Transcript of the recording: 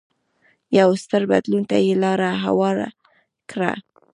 یو ستر بدلون ته یې لار هواره کړه.